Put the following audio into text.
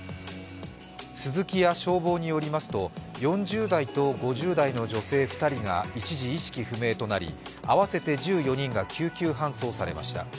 スズキや消防によりますと４０代と５０代の女性２人が一時意識不明となり合わせて１４人が救急搬送されました。